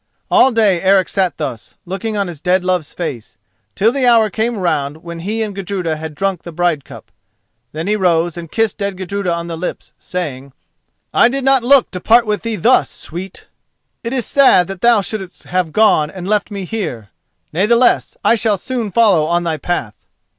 All day Eric sat thus, looking on his dead love's face, till the hour came round when he and Gudruda had drunk the bride cup. Then he rose and kissed dead Gudruda on the lips, saying: "I did not look to part with thee thus, sweet! It is sad that thou shouldst have gone and left me here. Natheless, I shall soon follow on thy path."